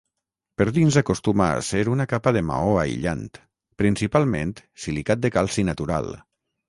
Per dins acostuma a ser una capa de maó aïllant, principalment silicat de calci natural.